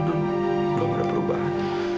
gak ada perubahan